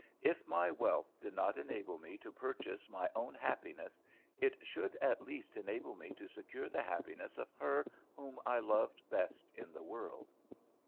If my wealth did not enable me to purchase my own happiness, it should at least enable me to secure the happiness of her whom I loved best in the world.